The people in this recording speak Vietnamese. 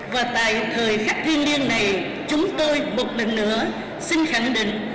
và tại thời khắc thiên liêng này chúng tôi một lần nữa xin khẳng định